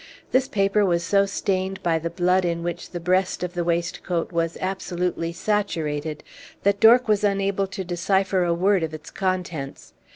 This paper was so stained by the blood in which the breast of the waistcoat was absolutely saturated that Dork was unable to decipher a word of its contents.